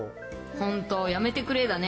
本当、やめてくれだね。